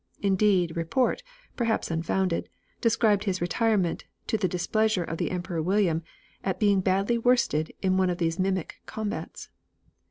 Indeed report, perhaps unfounded, described his retirement to the displeasure of the Emperor William at being badly worsted in one of these mimic combats.